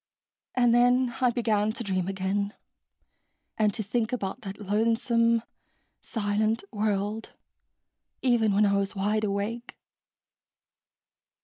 And then I began to dream again, and to think about that lonesome silent world even when I was wide awake."